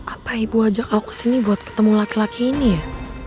apa ibu ajak aku kesini buat ketemu laki laki ini ya